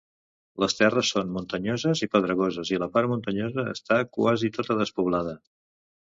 Les terres són muntanyoses i pedregoses, i la part muntanyosa està quasi tota despoblada.